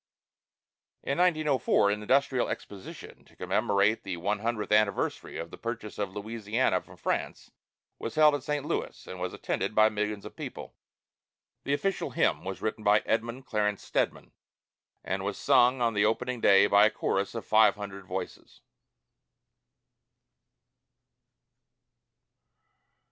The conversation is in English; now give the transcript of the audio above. In 1904 an industrial exposition to commemorate the one hundredth anniversary of the purchase of Louisiana from France was held at St. Louis, and was attended by millions of people. The official hymn was written by Edmund Clarence Stedman, and was sung on the opening day by a chorus of five hundred voices.